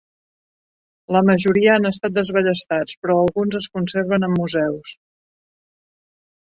La majoria han estat desballestats, però alguns es conserven en museus.